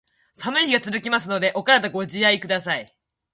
寒い日が続きますので、お体ご自愛下さい。